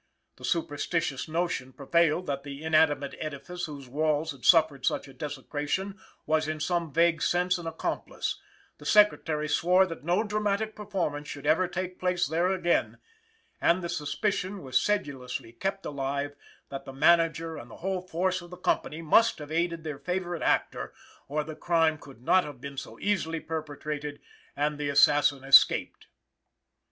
The superstitious notion prevailed that the inanimate edifice whose walls had suffered such a desecration was in some vague sense an accomplice; the Secretary swore that no dramatic performance should ever take place there again; and the suspicion was sedulously kept alive that the manager and the whole force of the company must have aided their favorite actor, or the crime could not have been so easily perpetrated and the assassin escaped.